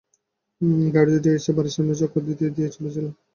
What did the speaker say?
গাড়ি দুটি এসে বাড়ির সামনের অংশে চক্কর দিয়ে চলে যায় পেছনের ফটকে।